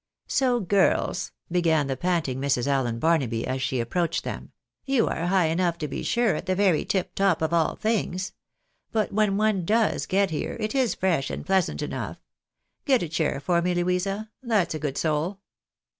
"So, girls!" began the panting Mrs. Allen Barnaby, as she approached them, " you are high enough to be sure, at the very tip top of all things ; but when one does get here, it is fresh and plea sant enough. Get a chair for me, Louisa, that's a good soul."